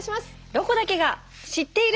「ロコだけが知っている」。